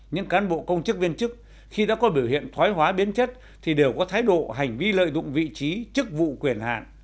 những cán bộ công chức viên chức khi đã có biểu hiện thoái hóa biến chất thì đều có thái độ hành vi lợi dụng vị trí chức vụ quyền hạn